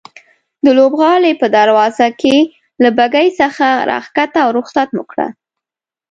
د لوبغالي په دروازه کې له بګۍ څخه راکښته او رخصت مو کړه.